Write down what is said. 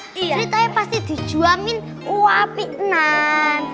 ceritanya pasti dijuamin wabik nan